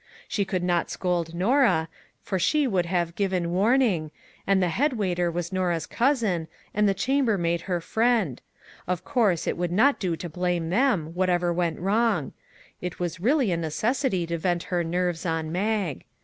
She could not 18 MERRY CHRISTMAS TO MAG " scold Norah, for she would have " given warn ing," and the head waiter was Norah's cousin, and the chambermaid her friend; of course, it would not do to blame them, whatever went wrong; it was really a necessity to vent her nerves on Mag.